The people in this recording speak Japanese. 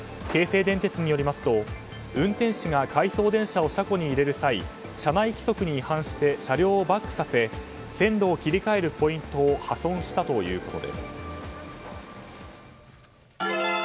京成電鉄によりますと運転士が回送電車を車庫に入れる際社内規則に違反して車両をバックさせ線路を切り替えるポイントを破損したということです。